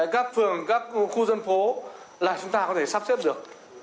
các phường các khu dân phố là chúng ta có thể sắp xếp được